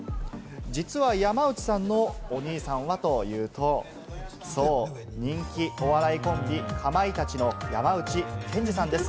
実は山内さんのお兄さんはというと、人気お笑いコンビ・かまいたちの山内健司さんです。